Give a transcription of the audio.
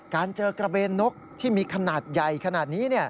การเจอกระเบนนกที่มีขนาดใหญ่ขนาดนี้